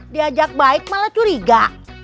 diajak baik malah curiga